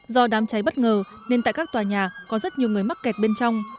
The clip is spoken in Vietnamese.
do đám cháy bất ngờ nên tại các tòa nhà có rất nhiều người mắc kẹt bên trong